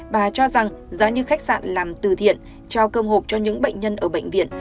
bà cho rằng giá như khách sạn làm từ thiện trao cơm hộp cho những bệnh nhân ở bệnh viện